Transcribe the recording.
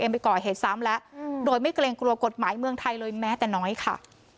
ไปก่อเหตุซ้ำแล้วโดยไม่เกรงกลัวกฎหมายเมืองไทยเลยแม้แต่น้อยค่ะ